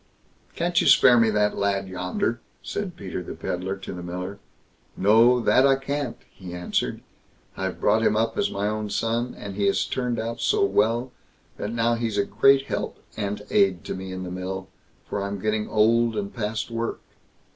"Can't you spare me that lad yonder?" said Peter the Pedlar to the miller. "No! that I can't", he answered; "I've brought him up as my own son, and he has turned out so well, that now he's a great help and aid to me in the mill, for I'm getting old and past work."